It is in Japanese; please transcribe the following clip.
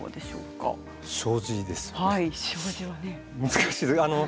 難しいですね。